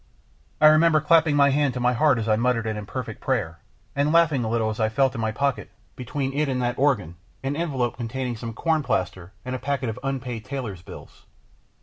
I remember clapping my hand to my heart as I muttered an imperfect prayer, and laughing a little as I felt in my pocket, between it and that organ, an envelope containing some corn plaster and a packet of unpaid tailors' bills.